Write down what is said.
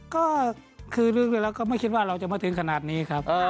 ก็คือเรื่องเรื่อยแล้วก็ไม่คิดว่าเราจะมาเท้นขนาดนี้ครับ